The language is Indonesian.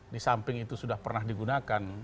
di samping itu sudah pernah digunakan